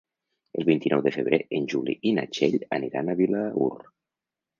El vint-i-nou de febrer en Juli i na Txell aniran a Vilaür.